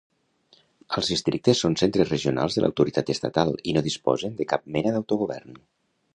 Els districtes són centres regionals de l'autoritat estatal i no disposen de cap mena d'autogovern.